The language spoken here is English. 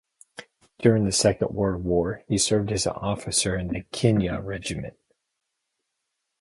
During the Second World War he served as an officer in the Kenya Regiment.